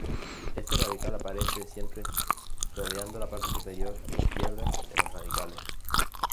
Este radical aparece siempre rodeando la parte superior e izquierda de los radicales.